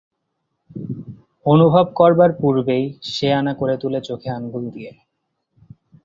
অনুভব করবার পূর্বেই সেয়ানা করে তোলে চোখে আঙুল দিয়ে।